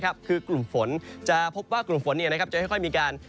คือกลุ่มฝนจะพบว่ากลุ่มฝนจะค่อยมีการ